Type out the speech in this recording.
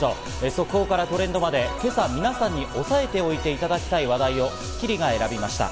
速報からトレンドまで今朝、皆さんに押さえておいていただきたい話題を『スッキリ』が選びました。